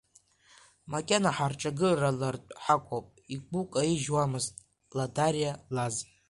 Макьана ҳарҿагылартә ҳаҟоуп, игәы каижьуамызт Ладариа Лаз.